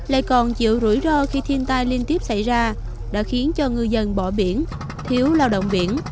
lại còn chịu rủi ro khi thiên tai liên tiếp xảy ra đã khiến cho ngư dân bỏ biển thiếu lao động biển